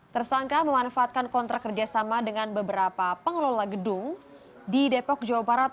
tersangka memanfaatkan kontrak kerjasama dengan beberapa pengelola gedung di depok jawa barat